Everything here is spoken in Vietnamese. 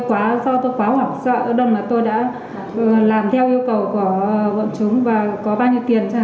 do vậy do tôi quá hoảng sợ tôi đã làm theo yêu cầu của bọn chúng và có bao nhiêu tiền